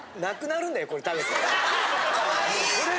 これ。